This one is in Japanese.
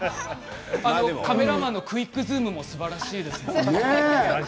カメラマンのクイックズームもすばらしいです。